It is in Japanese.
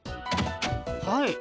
はい。